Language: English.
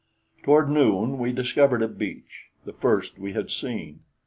Toward noon we discovered a beach, the first we had seen.